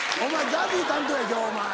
ＺＡＺＹ担当や今日お前。